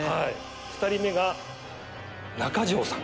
２人目が中条さん。